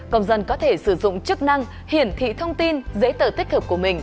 công dân có thể sử dụng chức năng hiển thị thông tin giấy tờ tích hợp của mình